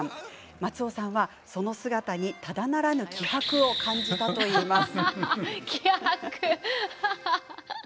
松尾さんはその姿に、ただならぬ気迫を感じたといいます。